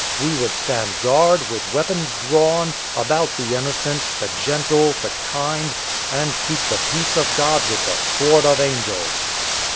We would stand guard, with weapons drawn, about the innocent, the gentle, the kind, and keep the peace of God with the sword of the angels!"